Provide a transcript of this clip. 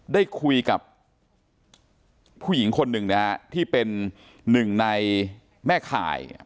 ได้คุยกับผู้หญิงคนหนึ่งนะฮะที่เป็นหนึ่งในแม่ข่าย